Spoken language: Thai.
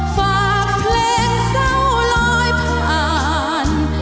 ฝากเพลงเศร้าลอยผ่าน